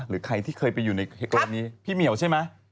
หรือใครที่เคยไปอยู่ในกรณีพี่เหมียวใช่ไหม